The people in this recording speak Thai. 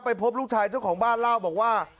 พบลูกชายเจ้าของบ้านเล่าบอกว่า